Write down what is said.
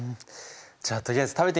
じゃあとりあえず食べてみよう。